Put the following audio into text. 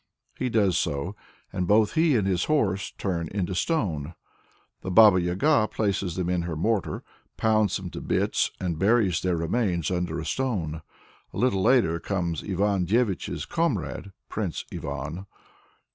He does so, and both he and his horse turn into stone. The Baba Yaga places them in her mortar, pounds them to bits, and buries their remains under a stone. A little later comes Ivan Dévich's comrade, Prince Ivan.